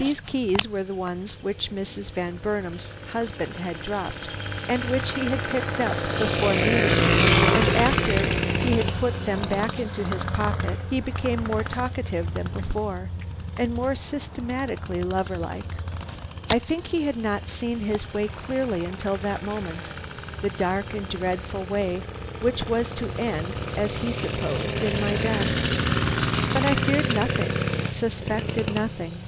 "These keys were the ones which Mrs. Van Burnam's husband had dropped, and which he had picked up before meeting me; and after he had put them back into his pocket he became more talkative than before, and more systematically lover like. I think he had not seen his way clearly till this moment, the dark and dreadful way which was to end, as he supposed, in my death. "But I feared nothing, suspected nothing.